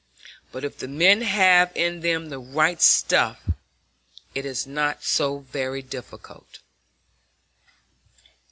But if the men have in them the right stuff, it is not so very difficult.